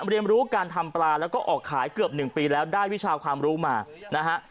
เรียนรู้การทำปลาแล้วก็ออกขายเกือบ๑ปีแล้วได้วิชาความรู้มานะฮะ